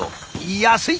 安い！